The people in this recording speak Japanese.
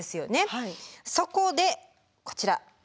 そこでこちら。